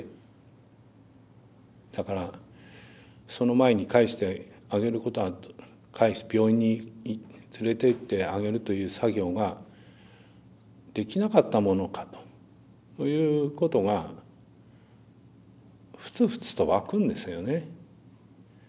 だからその前に帰してあげることが病院に連れてってあげるという作業ができなかったものかということがふつふつと湧くんですよね。